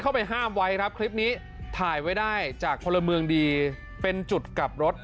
คลิปนี้ถ่ายไว้ได้จากพลเมืองดีเป็นจุดกลับรถ